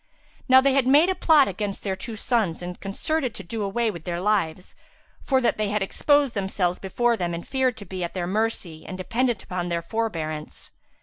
Now they had made a plot against their two sons and concerted to do away their lives, for that they had exposed themselves before them and feared to be at their mercy and dependent upon their forbearance.